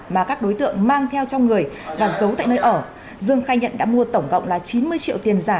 mà các đối tượng mang theo trong người và giấu tại nơi ở dương khai nhận đã mua tổng cộng là chín mươi triệu tiền giả